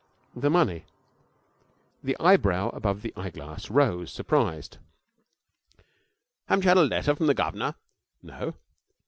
'The money?' The eyebrow above the eyeglass rose, surprised. 'Haven't you had a letter from the governor?' 'No.'